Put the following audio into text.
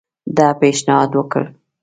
ده پېشنهاد وکړ.